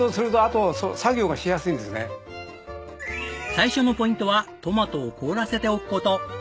最初のポイントはトマトを凍らせておく事。